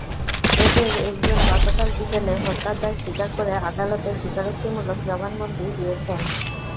এঁদের একজন গতকাল বিকেলে হত্যার দায় স্বীকার করে আদালতে স্বীকারোক্তিমূলক জবানবন্দি দিয়েছেন।